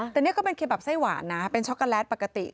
แต่นี่ก็เป็นเคแบบไส้หวานนะเป็นช็อกโกแลตปกติ